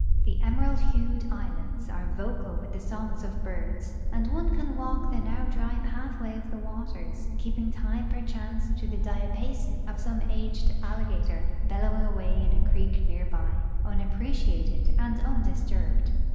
The emerald hued islands are vocal with the songs of birds, and one can walk the now dry pathway of the waters, keei)ing time i)erchance to the diapason of some aged alligator l)ellowing away in a creek near by, un appreciated and undisturbed.